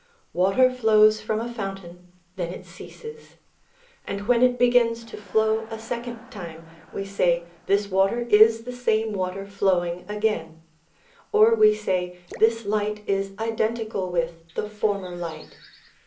Water flows from a fountain, then it ceases, and when it begins to flow a second time, we say, this water is the same water flowing again; or we say, this light is identical with the former light.